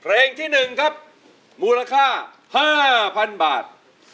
เพลงที่๑ครับมูลค่า๕๐๐๐บาท